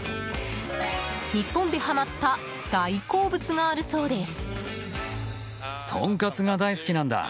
日本で、はまった大好物があるそうです。